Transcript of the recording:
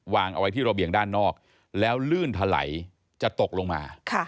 วางเอาไว้ที่ระเบียงด้านนอกแล้วลื่นถลัยจะตกลงมา